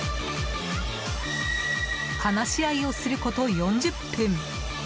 話し合いをすること４０分。